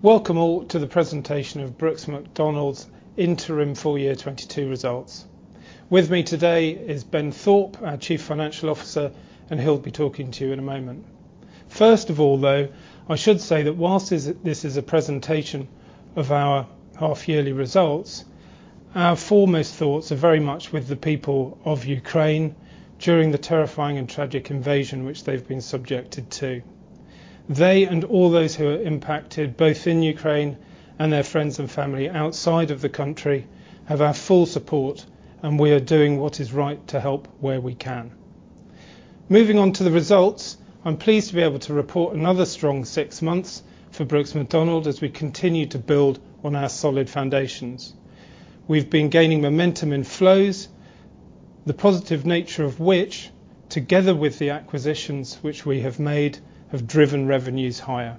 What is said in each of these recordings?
Welcome all to the presentation of Brooks Macdonald's interim full-year 2022 results. With me today is Ben Thorpe, our Chief Financial Officer, and he'll be talking to you in a moment. First of all, though, I should say that while this is a presentation of our half-yearly results, our foremost thoughts are very much with the people of Ukraine during the terrifying and tragic invasion which they've been subjected to. They and all those who are impacted, both in Ukraine and their friends and family outside of the country, have our full support, and we are doing what is right to help where we can. Moving on to the results, I'm pleased to be able to report another strong six months for Brooks Macdonald as we continue to build on our solid foundations. We've been gaining momentum in flows, the positive nature of which, together with the acquisitions which we have made, have driven revenues higher.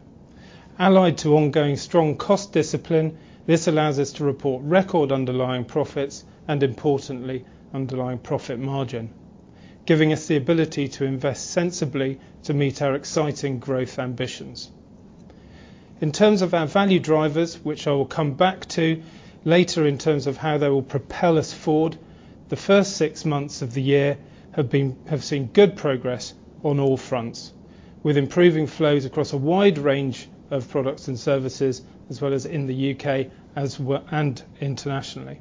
Allied to ongoing strong cost discipline, this allows us to report record underlying profits and, importantly, underlying profit margin, giving us the ability to invest sensibly to meet our exciting growth ambitions. In terms of our value drivers, which I will come back to later in terms of how they will propel us forward, the first six months of the year have seen good progress on all fronts, with improving flows across a wide range of products and services, as well as in the U.K. and internationally.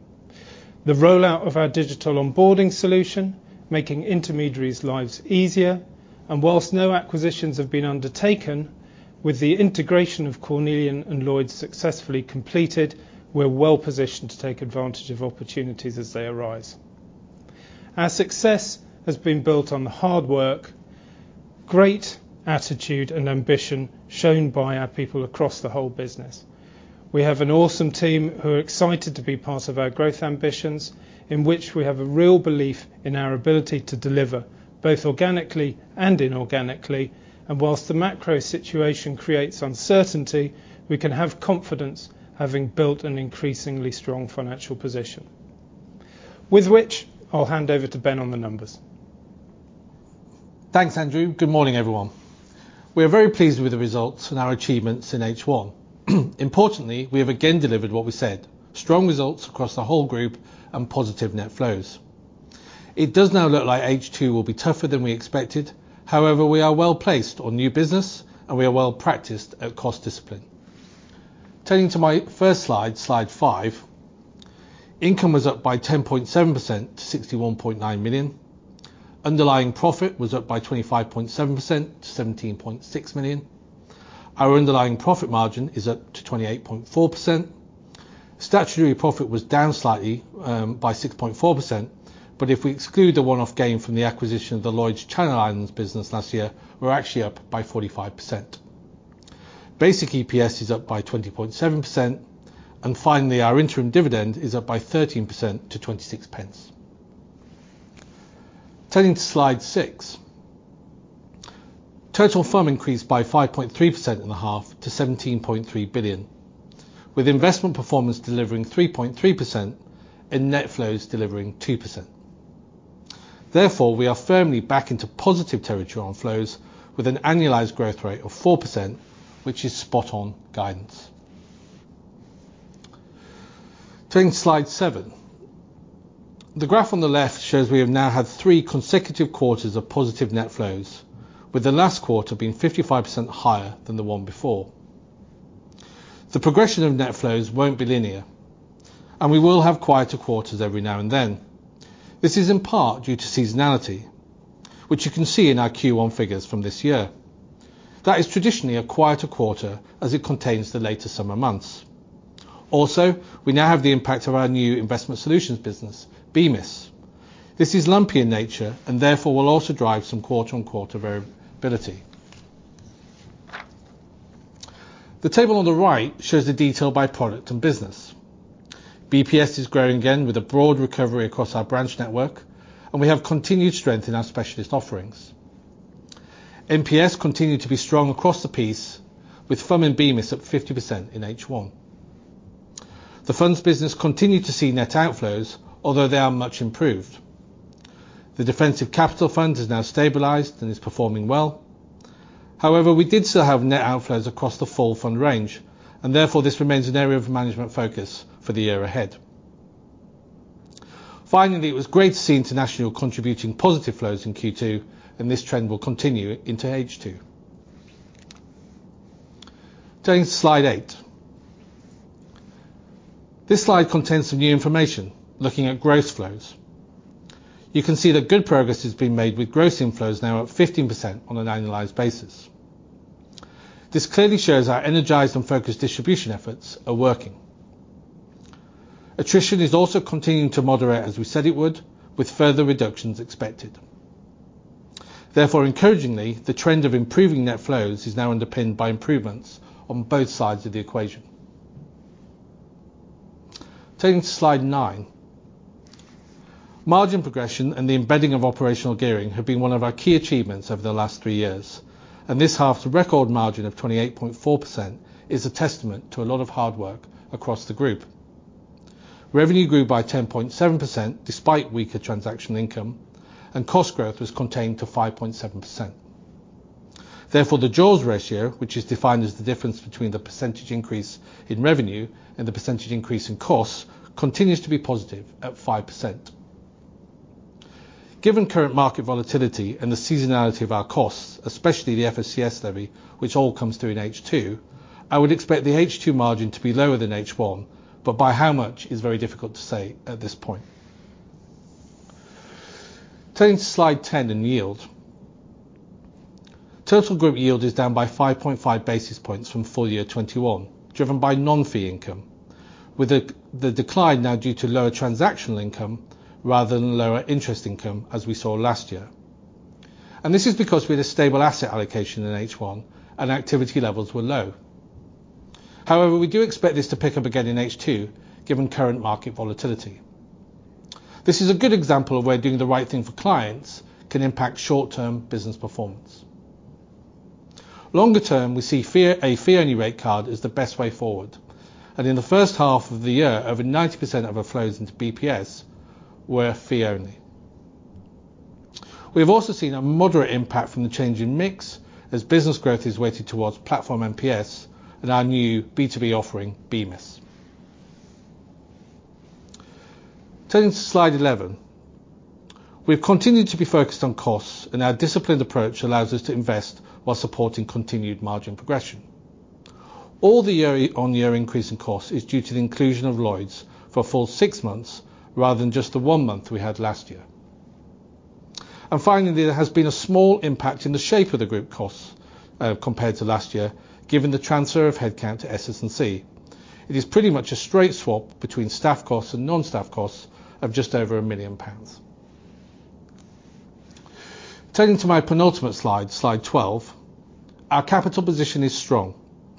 The rollout of our digital onboarding solution, making intermediaries' lives easier, and while no acquisitions have been undertaken, with the integration of Cornelian and Lloyds successfully completed, we're well positioned to take advantage of opportunities as they arise. Our success has been built on the hard work, great attitude, and ambition shown by our people across the whole business. We have an awesome team who are excited to be part of our growth ambitions, in which we have a real belief in our ability to deliver, both organically and inorganically. While the macro situation creates uncertainty, we can have confidence, having built an increasingly strong financial position. With which, I'll hand over to Ben on the numbers. Thanks, Andrew. Good morning, everyone. We are very pleased with the results and our achievements in H1. Importantly, we have again delivered what we said, strong results across the whole group and positive net flows. It does now look like H2 will be tougher than we expected. However, we are well-placed on new business, and we are well-practiced at cost discipline. Turning to my first slide five. Income was up by 10.7% to 61.9 million. Underlying profit was up by 25.7% to 17.6 million. Our underlying profit margin is up to 28.4%. Statutory profit was down slightly by 6.4%. If we exclude the one-off gain from the acquisition of the Lloyds Channel Islands business last year, we're actually up by 45%. Basic EPS is up by 20.7%. Finally, our interim dividend is up by 13% to 0.26. Turning to slide six. Total FUM increased by 5.3% in the half to 17.3 billion, with investment performance delivering 3.3% and net flows delivering 2%. Therefore, we are firmly back into positive territory on flows with an annualized growth rate of 4%, which is spot on guidance. Turning to slide seven. The graph on the left shows we have now had 3 consecutive quarters of positive net flows, with the last quarter being 55% higher than the one before. The progression of net flows won't be linear, and we will have quieter quarters every now and then. This is in part due to seasonality, which you can see in our Q1 figures from this year. That is traditionally a quieter quarter as it contains the later summer months. Also, we now have the impact of our new investment solutions business, BMIS. This is lumpy in nature and therefore will also drive some quarter-on-quarter variability. The table on the right shows the detail by product and business. BPS is growing again with a broad recovery across our branch network, and we have continued strength in our specialist offerings. MPS continued to be strong across the piece, with firm and BMIS up 50% in H1. The funds business continued to see net outflows, although they are much improved. The Defensive Capital Fund has now stabilized and is performing well. However, we did still have net outflows across the full fund range, and therefore this remains an area of management focus for the year ahead. Finally, it was great to see international contributing positive flows in Q2, and this trend will continue into H2. Turning to slide eight. This slide contains some new information looking at gross flows. You can see that good progress has been made with gross inflows now up 15% on an annualized basis. This clearly shows our energized and focused distribution efforts are working. Attrition is also continuing to moderate as we said it would, with further reductions expected. Therefore, encouragingly, the trend of improving net flows is now underpinned by improvements on both sides of the equation. Turning to slide nine. Margin progression and the embedding of operational gearing have been one of our key achievements over the last three years, and this half's record margin of 28.4% is a testament to a lot of hard work across the group. Revenue grew by 10.7% despite weaker transaction income, and cost growth was contained to 5.7%. Therefore, the jaws ratio, which is defined as the difference between the percentage increase in revenue and the percentage increase in cost, continues to be positive at 5%. Given current market volatility and the seasonality of our costs, especially the FSCS levy, which all comes through in H2, I would expect the H2 margin to be lower than H1, but by how much is very difficult to say at this point. Turning to slide 10 on yield. Total group yield is down by 5.5 basis points from FY 2021, driven by non-fee income, with the decline now due to lower transactional income rather than lower interest income as we saw last year. This is because we had a stable asset allocation in H1 and activity levels were low. However, we do expect this to pick up again in H2, given current market volatility. This is a good example of where doing the right thing for clients can impact short-term business performance. Longer term, we see a fee-only rate card is the best way forward, and in the first half of the year, over 90% of our flows into BPS were fee only. We have also seen a moderate impact from the change in mix as business growth is weighted towards platform MPS and our new B2B offering, BMIS. Turning to slide 11. We have continued to be focused on costs, and our disciplined approach allows us to invest while supporting continued margin progression. All the year-on-year increase in cost is due to the inclusion of Lloyds for a full 6 months rather than just the 1 month we had last year. Finally, there has been a small impact in the shape of the group costs, compared to last year, given the transfer of headcount to SS&C. It is pretty much a straight swap between staff costs and non-staff costs of just over 1 million pounds. Turning to my penultimate slide 12. Our capital position is strong,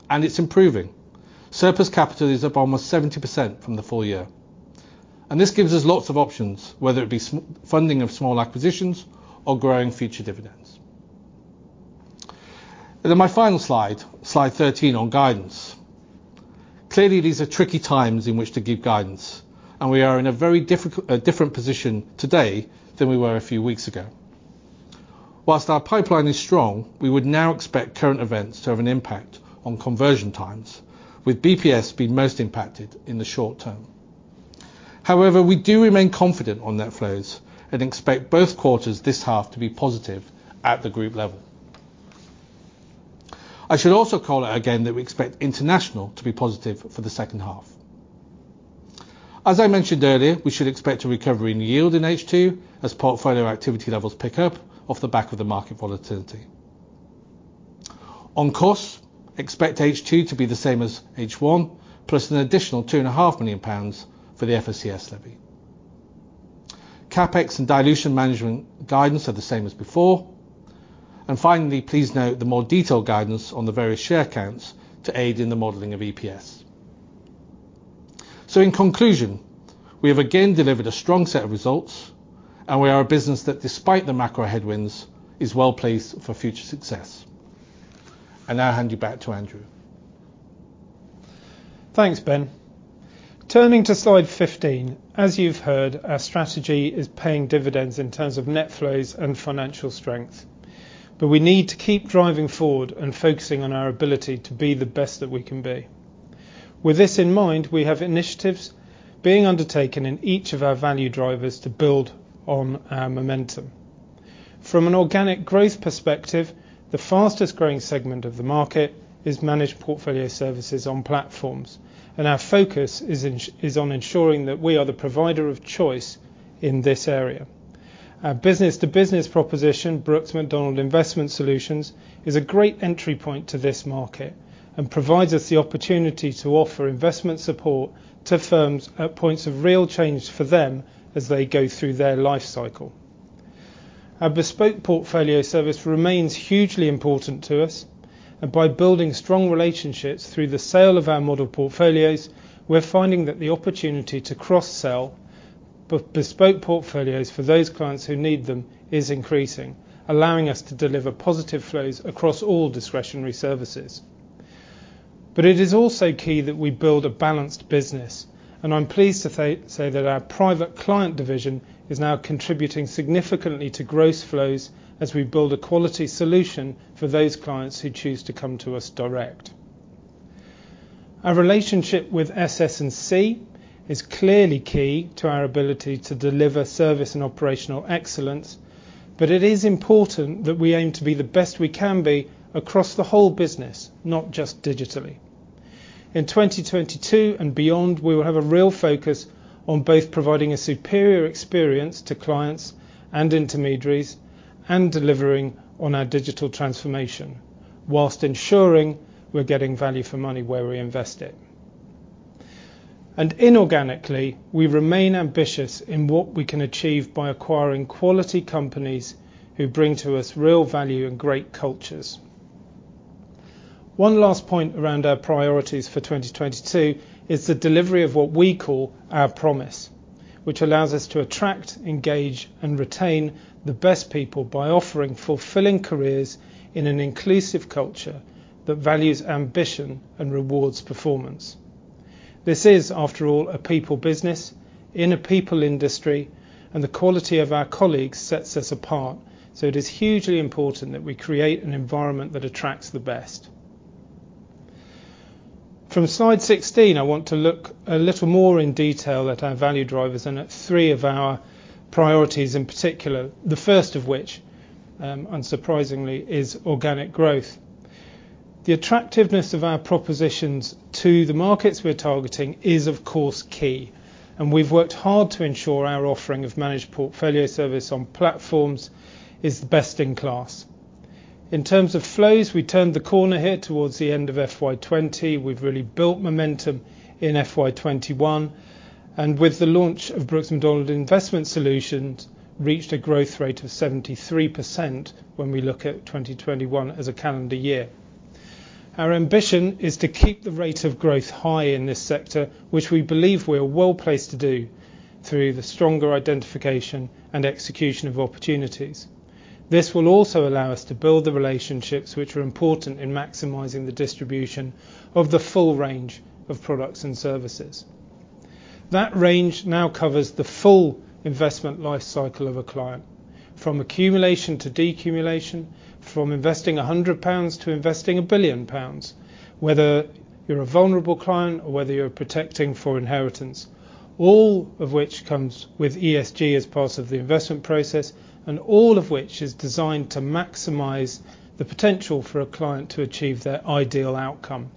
and it's improving. Surplus capital is up almost 70% from the full year. This gives us lots of options, whether it be funding of small acquisitions or growing future dividends. My final slide 13 on guidance. Clearly these are tricky times in which to give guidance, and we are in a different position today than we were a few weeks ago. While our pipeline is strong, we would now expect current events to have an impact on conversion times, with bps being most impacted in the short term. However, we do remain confident on net flows and expect both quarters this half to be positive at the group level. I should also call out again that we expect international to be positive for the second half. As I mentioned earlier, we should expect a recovery in yield in H2 as portfolio activity levels pick up off the back of the market volatility. On costs, expect H2 to be the same as H1, plus an additional 2.5 million pounds for the FSCS levy. CapEx and dilution management guidance are the same as before. Finally, please note the more detailed guidance on the various share counts to aid in the modeling of EPS. In conclusion, we have again delivered a strong set of results, and we are a business that, despite the macro headwinds, is well placed for future success. I now hand you back to Andrew. Thanks, Ben. Turning to slide 15, as you've heard, our strategy is paying dividends in terms of net flows and financial strength. We need to keep driving forward and focusing on our ability to be the best that we can be. With this in mind, we have initiatives being undertaken in each of our value drivers to build on our momentum. From an organic growth perspective, the fastest-growing segment of the market is managed portfolio services on platforms. Our focus is on ensuring that we are the provider of choice in this area. Our business-to-business proposition, Brooks Macdonald Investment Solutions, is a great entry point to this market and provides us the opportunity to offer investment support to firms at points of real change for them as they go through their life cycle. Our bespoke portfolio service remains hugely important to us. By building strong relationships through the sale of our model portfolios, we're finding that the opportunity to cross-sell bespoke portfolios for those clients who need them is increasing, allowing us to deliver positive flows across all discretionary services. It is also key that we build a balanced business. I'm pleased to say that our private client division is now contributing significantly to gross flows as we build a quality solution for those clients who choose to come to us direct. Our relationship with SS&C is clearly key to our ability to deliver service and operational excellence. It is important that we aim to be the best we can be across the whole business, not just digitally. In 2022 and beyond, we will have a real focus on both providing a superior experience to clients and intermediaries and delivering on our digital transformation whilst ensuring we're getting value for money where we invest it. Inorganically, we remain ambitious in what we can achieve by acquiring quality companies who bring to us real value and great cultures. One last point around our priorities for 2022 is the delivery of what we call our promise, which allows us to attract, engage, and retain the best people by offering fulfilling careers in an inclusive culture that values ambition and rewards performance. This is, after all, a people business in a people industry, and the quality of our colleagues sets us apart, so it is hugely important that we create an environment that attracts the best. From slide 16, I want to look a little more in detail at our value drivers and at three of our priorities, in particular, the first of which, unsurprisingly, is organic growth. The attractiveness of our propositions to the markets we're targeting is, of course, key, and we've worked hard to ensure our offering of managed portfolio service on platforms is the best in class. In terms of flows, we turned the corner here towards the end of FY 2020. We've really built momentum in FY 2021, and with the launch of Brooks Macdonald Investment Solutions, reached a growth rate of 73% when we look at 2021 as a calendar year. Our ambition is to keep the rate of growth high in this sector, which we believe we are well placed to do through the stronger identification and execution of opportunities. This will also allow us to build the relationships which are important in maximizing the distribution of the full range of products and services. That range now covers the full investment life cycle of a client, from accumulation to decumulation, from investing 100 pounds to investing 1 billion pounds, whether you're a vulnerable client or whether you're protecting for inheritance, all of which comes with ESG as part of the investment process, and all of which is designed to maximize the potential for a client to achieve their ideal outcome.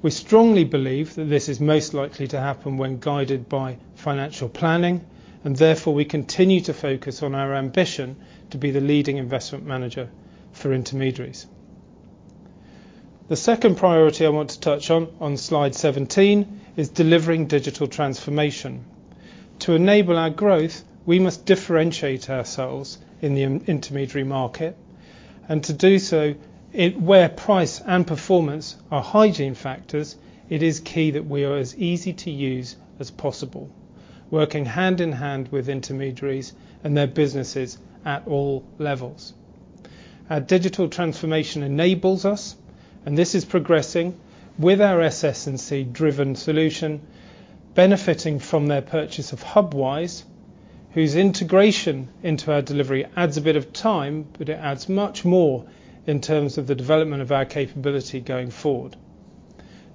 We strongly believe that this is most likely to happen when guided by financial planning, and therefore we continue to focus on our ambition to be the leading investment manager for intermediaries. The second priority I want to touch on slide 17, is delivering digital transformation. To enable our growth, we must differentiate ourselves in the intermediary market. To do so, where price and performance are hygiene factors, it is key that we are as easy to use as possible, working hand in hand with intermediaries and their businesses at all levels. Our digital transformation enables us, and this is progressing with our SS&C-driven solution, benefiting from their purchase of Hubwise, whose integration into our delivery adds a bit of time, but it adds much more in terms of the development of our capability going forward.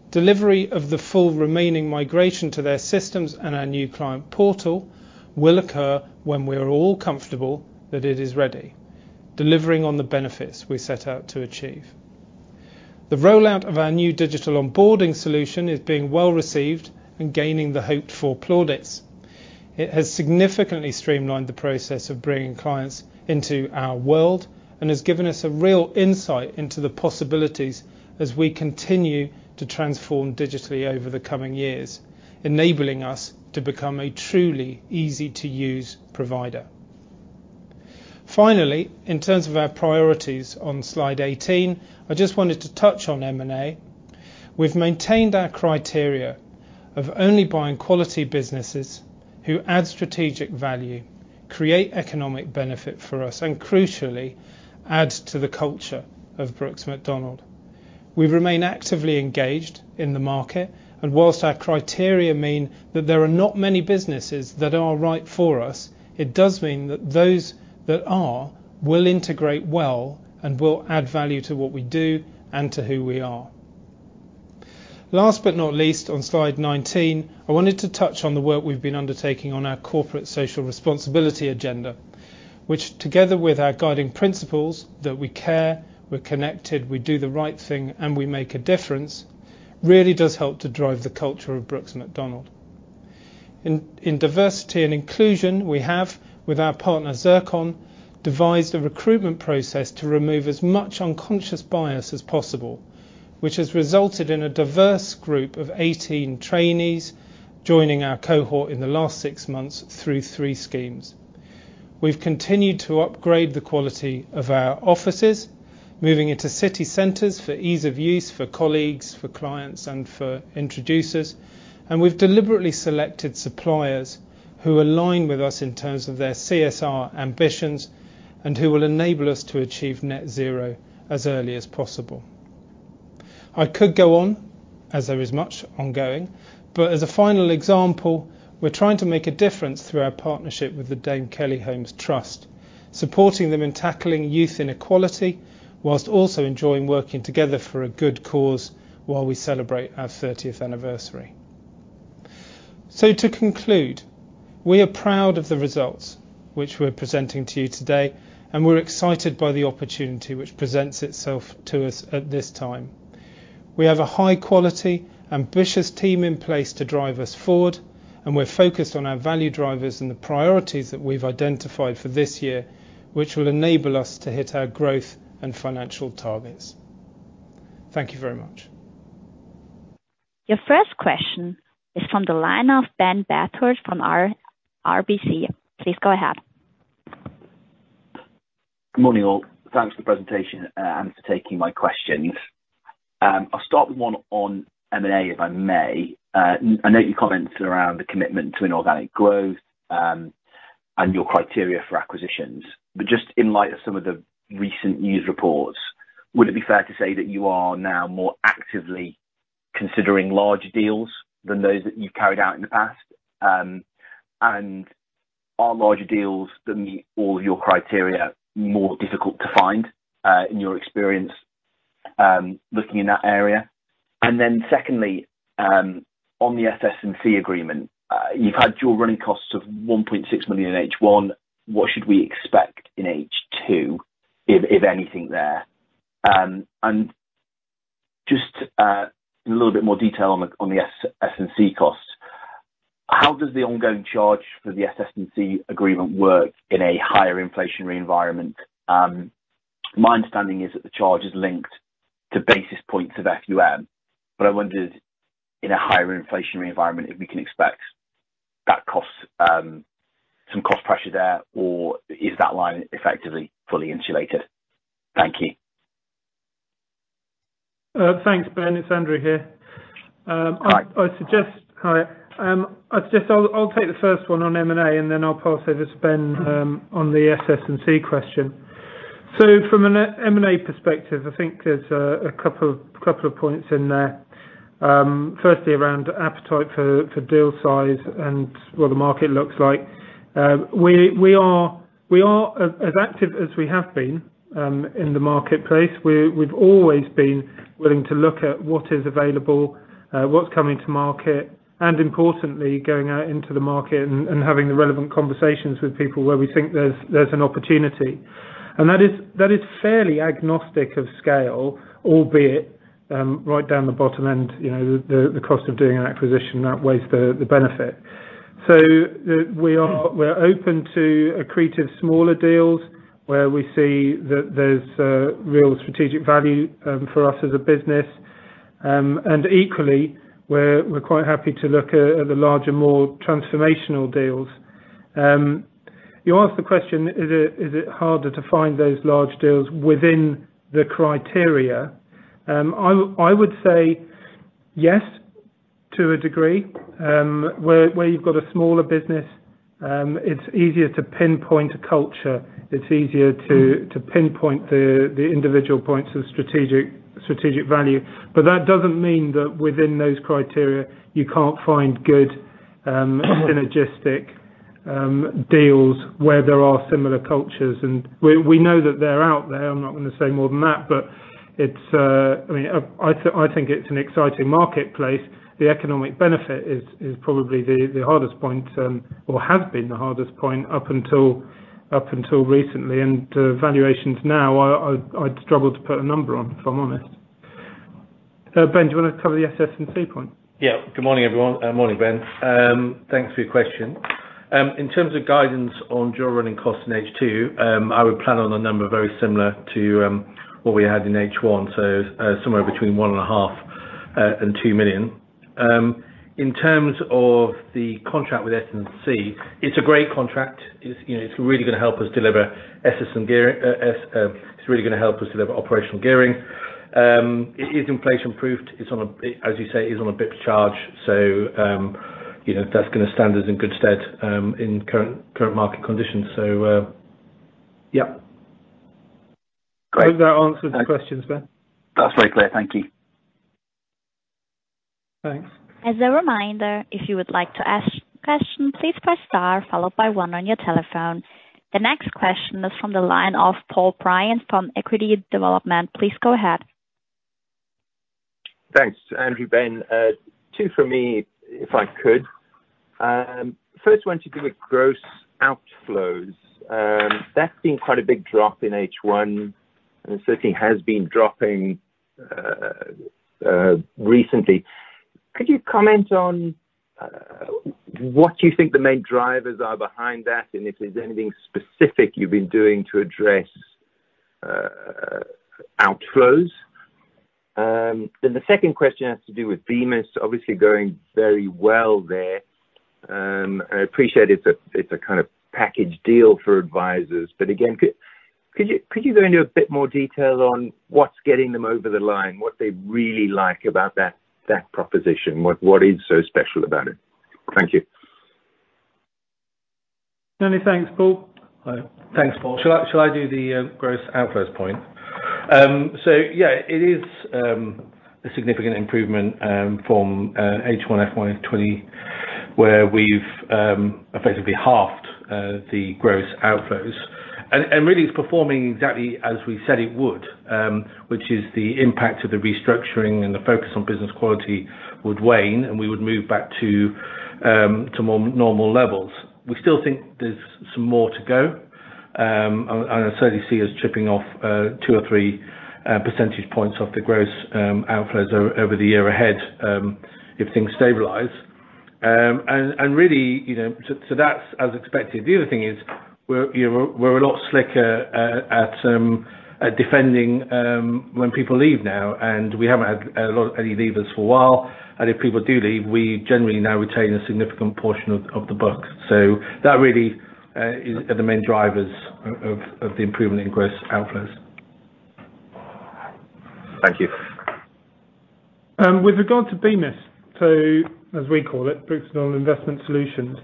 Delivery of the full remaining migration to their systems and our new client portal will occur when we're all comfortable that it is ready, delivering on the benefits we set out to achieve. The rollout of our new digital onboarding solution is being well-received and gaining the hoped-for plaudits. It has significantly streamlined the process of bringing clients into our world and has given us a real insight into the possibilities as we continue to transform digitally over the coming years, enabling us to become a truly easy-to-use provider. Finally, in terms of our priorities on slide 18, I just wanted to touch on M&A. We've maintained our criteria of only buying quality businesses who add strategic value, create economic benefit for us, and crucially, add to the culture of Brooks Macdonald. We remain actively engaged in the market, and whilst our criteria mean that there are not many businesses that are right for us, it does mean that those that are, will integrate well and will add value to what we do and to who we are. Last but not least, on slide 19, I wanted to touch on the work we've been undertaking on our corporate social responsibility agenda, which together with our guiding principles that we care, we're connected, we do the right thing, and we make a difference, really does help to drive the culture of Brooks Macdonald. In diversity and inclusion, we have, with our partner Zircon, devised a recruitment process to remove as much unconscious bias as possible, which has resulted in a diverse group of 18 trainees joining our cohort in the last six months through three schemes. We've continued to upgrade the quality of our offices, moving into city centers for ease of use for colleagues, for clients, and for introducers. We've deliberately selected suppliers who align with us in terms of their CSR ambitions and who will enable us to achieve net zero as early as possible. I could go on, as there is much ongoing, but as a final example, we're trying to make a difference through our partnership with the Dame Kelly Holmes Trust, supporting them in tackling youth inequality while also enjoying working together for a good cause while we celebrate our thirtieth anniversary. To conclude, we are proud of the results which we're presenting to you today, and we're excited by the opportunity which presents itself to us at this time. We have a high-quality, ambitious team in place to drive us forward, and we're focused on our value drivers and the priorities that we've identified for this year, which will enable us to hit our growth and financial targets. Thank you very much. Your first question is from the line of Ben Bathurst from RBC. Please go ahead. Good morning, all. Thanks for the presentation and for taking my questions. I'll start with one on M&A if I may. I note your comments around the commitment to inorganic growth and your criteria for acquisitions. Just in light of some of the recent news reports, would it be fair to say that you are now more actively considering larger deals than those that you've carried out in the past? Are larger deals that meet all of your criteria more difficult to find in your experience looking in that area? Then secondly, on the SS&C agreement, you've had dual running costs of 1.6 million in H1. What should we expect in H2, if anything there? Just a little bit more detail on the SS&C costs. How does the ongoing charge for the SS&C agreement work in a higher inflationary environment? My understanding is that the charge is linked to basis points of FUM. I wondered in a higher inflationary environment, if we can expect that cost, some cost pressure there, or is that line effectively fully insulated? Thank you. Thanks, Ben. It's Andrew here. Hi. I suggest I'll take the first one on M&A, and then I'll pass over to Ben on the SS&C question. From an M&A perspective, I think there's a couple of points in there. Firstly around appetite for deal size and what the market looks like. We are as active as we have been in the marketplace. We've always been willing to look at what is available, what's coming to market, and importantly, going out into the market and having the relevant conversations with people where we think there's an opportunity. That is fairly agnostic of scale, albeit right down the bottom end, you know, the cost of doing an acquisition outweighs the benefit. We are Mm-hmm. We're open to accretive smaller deals where we see that there's real strategic value for us as a business. Equally, we're quite happy to look at the larger, more transformational deals. You asked the question, is it harder to find those large deals within the criteria? I would say yes, to a degree. Where you've got a smaller business, it's easier to pinpoint a culture. It's easier to pinpoint the individual points of strategic value. But that doesn't mean that within those criteria, you can't find good synergistic deals where there are similar cultures. We know that they're out there. I'm not gonna say more than that, but I mean, I think it's an exciting marketplace. The economic benefit is probably the hardest point or has been the hardest point up until recently. Valuations now, I'd struggle to put a number on, if I'm honest. Ben, do you wanna cover the SS&C point? Yeah. Good morning, everyone. Morning, Ben. Thanks for your question. In terms of guidance on dual running costs in H2, I would plan on a number very similar to what we had in H1, so somewhere between 1.5 million and 2 million. In terms of the contract with SS&C, it's a great contract. It's, you know, it's really gonna help us deliver operational gearing. It is inflation-proofed. It's on a bps charge, as you say. So, you know, that's gonna stand us in good stead in current market conditions. So, yep. Great. Hope that answers your questions, Ben. That's very clear. Thank you. Thanks. As a reminder, if you would like to ask a question, please press star followed by one on your telephone. The next question is from the line of Paul Bryant from Equity Development. Please go ahead. Thanks, Andrew, Ben. Two for me, if I could. First one to do with gross outflows. That's been quite a big drop in H1, and it certainly has been dropping recently. Could you comment on what you think the main drivers are behind that, and if there's anything specific you've been doing to address outflows? Then the second question has to do with BMIS. Obviously going very well there. I appreciate it's a kind of package deal for advisors, but again, could you go into a bit more detail on what's getting them over the line, what they really like about that proposition? What is so special about it? Thank you. Many thanks, Paul. Thanks, Paul. Shall I do the gross outflows point? So yeah, it is a significant improvement from H1 FY 2020, where we've effectively halved the gross outflows. Really it's performing exactly as we said it would, which is the impact of the restructuring and the focus on business quality would wane, and we would move back to more normal levels. We still think there's some more to go, and I certainly see us chipping off two or three percentage points off the gross outflows over the year ahead, if things stabilize. Really, you know, that's as expected. The other thing is we're a lot slicker at defending when people leave now, and we haven't had a lot. any leavers for a while. If people do leave, we generally now retain a significant portion of the book. That really is the main drivers of the improvement in gross outflows. Thank you. With regard to BMIS, so as we call it, Brooks Macdonald Investment Solutions.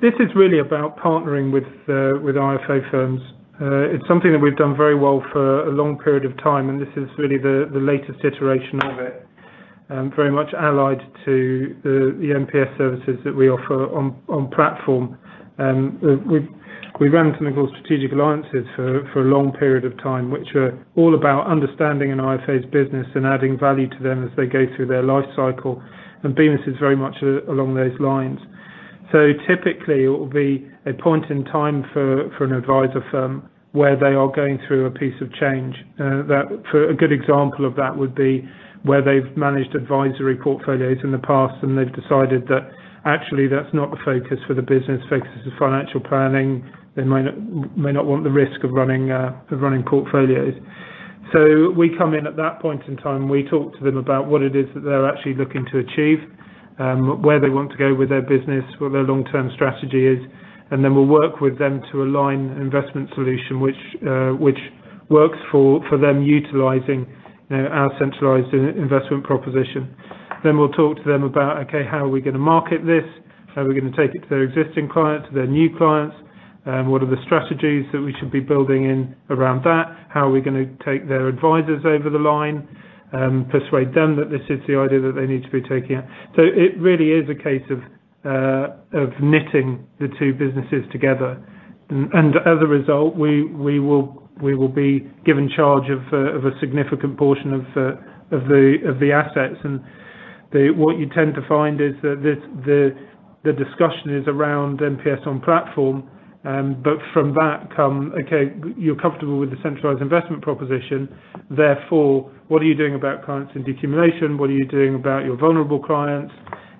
This is really about partnering with IFA firms. It's something that we've done very well for a long period of time, and this is really the latest iteration of it, very much allied to the MPS services that we offer on platform. We ran something called strategic alliances for a long period of time, which are all about understanding an IFA's business and adding value to them as they go through their life cycle, and BMIS is very much along those lines. Typically it will be a point in time for an advisor firm where they are going through a piece of change. For a good example of that would be where they've managed advisory portfolios in the past, and they've decided that actually that's not the focus for the business. The focus is financial planning. They might not want the risk of running portfolios. We come in at that point in time, we talk to them about what it is that they're actually looking to achieve, where they want to go with their business, what their long-term strategy is, and then we'll work with them to align investment solution, which works for them utilizing you know our centralized investment proposition. We'll talk to them about okay how are we gonna market this? How are we gonna take it to their existing clients, to their new clients? What are the strategies that we should be building in around that? How are we gonna take their advisors over the line, persuade them that this is the idea that they need to be taking out? It really is a case of knitting the two businesses together. As a result, we will be given charge of a significant portion of the assets. What you tend to find is that the discussion is around MPS on platform. From that come, okay, you're comfortable with the centralized investment proposition, therefore, what are you doing about clients in decumulation? What are you doing about your vulnerable clients?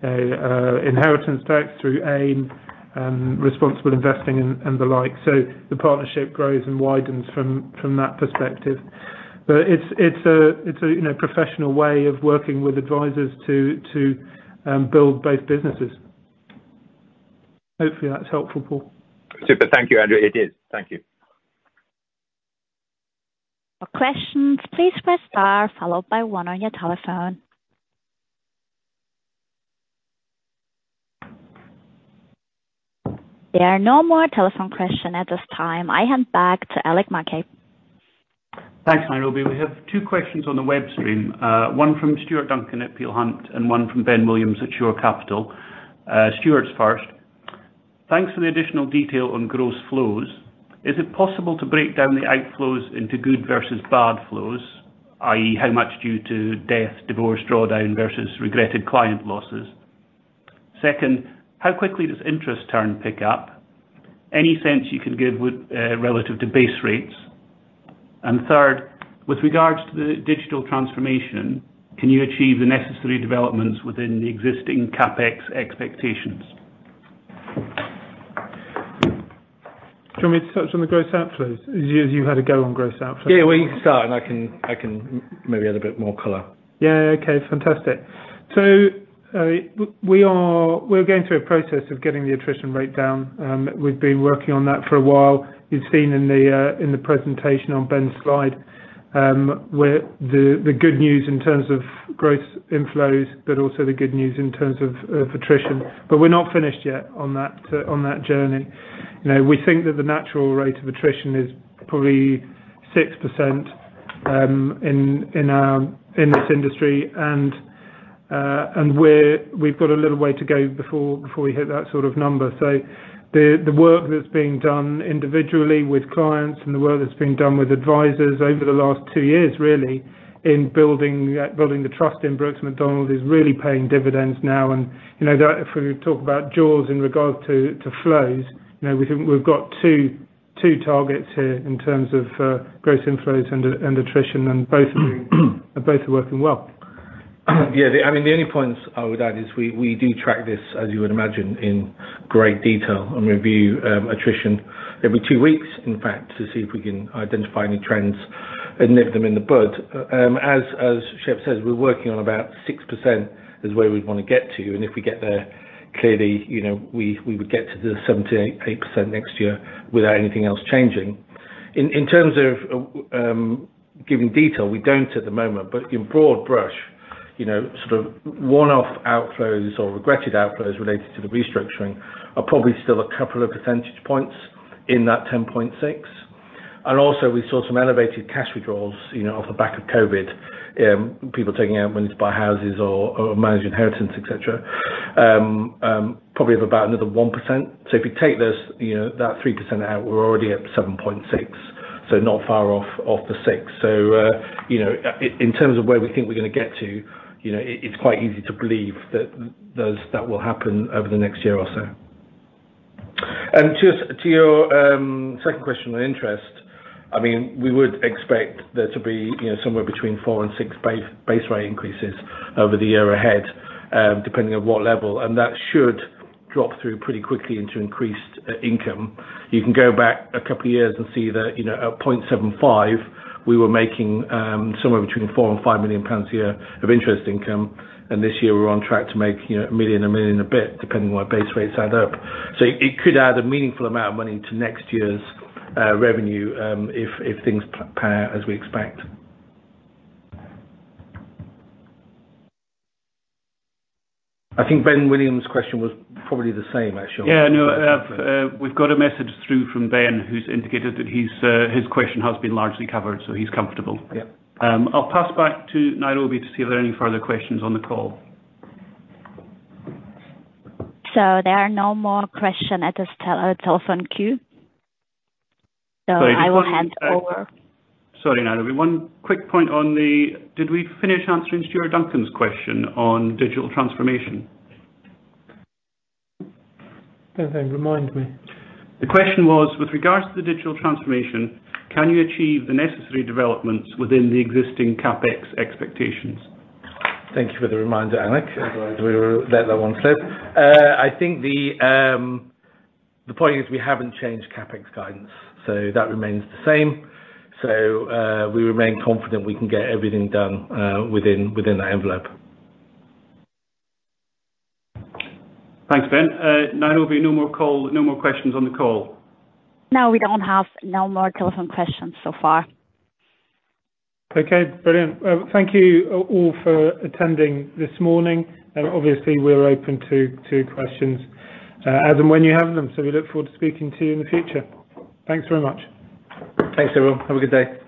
Inheritance tax through AIM and responsible investing and the like. The partnership grows and widens from that perspective. It's a professional way of working with advisors to build both businesses. Hopefully that's helpful, Paul. Super. Thank you, Andrew. It is. Thank you. There are no more telephone questions at this time. I hand back to Alick Mackay. Thanks, Nairobi. We have two questions on the web stream, one from Stuart Duncan at Peel Hunt and one from Ben Williams at Shore Capital. Stuart's first. Thanks for the additional detail on gross flows. Is it possible to break down the outflows into good versus bad flows, i.e. how much due to death, divorce, drawdown versus regretted client losses? Second, how quickly does interest rate pick up? Any sense you can give with relative to base rates? And third, with regards to the digital transformation, can you achieve the necessary developments within the existing CapEx expectations? Do you want me to touch on the gross outflows? You had a go on gross outflows. Yeah. Well, you can start and I can maybe add a bit more color. Yeah. Okay. Fantastic. We're going through a process of getting the attrition rate down. We've been working on that for a while. You've seen in the presentation on Ben's slide, where the good news in terms of gross inflows but also the good news in terms of attrition. We're not finished yet on that journey. You know, we think that the natural rate of attrition is probably 6% in this industry. We've got a little way to go before we hit that sort of number. The work that's being done individually with clients and the work that's been done with advisors over the last two years really in building the trust in Brooks Macdonald is really paying dividends now. You know that if we talk about jaws in regards to flows, you know, we've got two targets here in terms of gross inflows and attrition, and both are doing and both are working well. Yeah. I mean, the only point I would add is we do track this, as you would imagine, in great detail and review attrition every two weeks, in fact, to see if we can identify any trends and nip them in the bud. As Shep says, we're working on about 6% is where we'd wanna get to. If we get there, clearly, you know, we would get to the 70%-80% next year without anything else changing. In terms of giving detail, we don't at the moment, but in broad brush, you know, sort of one-off outflows or regretted outflows related to the restructuring are probably still a couple of percentage points in that 10.6%. We also saw some elevated cash withdrawals, you know, off the back of COVID, people taking out money to buy houses or manage inheritance, et cetera. Probably of about another 1%. If you take those, you know, that 3% out, we're already at 7.6, so not far off the 6. In terms of where we think we're gonna get to, you know, it's quite easy to believe that those that will happen over the next year or so. To your second question on interest, I mean, we would expect there to be, you know, somewhere between 4 and 6 base rate increases over the year ahead, depending on what level, and that should drop through pretty quickly into increased income. You can go back a couple of years and see that, you know, at 0.75, we were making somewhere between 4 million and 5 million pounds a year of interest income, and this year we're on track to make, you know, 1 million a bit depending on where base rates end up. It could add a meaningful amount of money to next year's revenue if things play out as we expect. I think Ben Williams' question was probably the same actually. Yeah. No. We've got a message through from Ben who's indicated that his question has been largely covered, so he's comfortable. Yeah. I'll pass back to Nairobi to see if there are any further questions on the call. There are no more questions at this telephone queue. Sorry. I will hand over. Sorry, Nairobi. Did we finish answering Stuart Duncan's question on digital transformation? Go ahead. Remind me. The question was, with regards to the digital transformation, can you achieve the necessary developments within the existing CapEx expectations? Thank you for the reminder, Alick. Yeah. We let that one slip. I think the point is we haven't changed CapEx guidance, so that remains the same. We remain confident we can get everything done within that envelope. Thanks, Ben. Nairobi, no more call, no more questions on the call. No, we don't have no more telephone questions so far. Okay. Brilliant. Thank you all for attending this morning. Obviously we're open to questions, as and when you have them. We look forward to speaking to you in the future. Thanks very much. Thanks, everyone. Have a good day.